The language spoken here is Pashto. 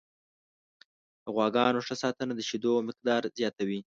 د غواګانو ښه ساتنه د شیدو مقدار زیاتوي.